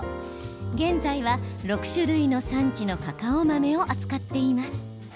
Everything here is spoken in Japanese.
現在は６種類の産地のカカオ豆を扱っています。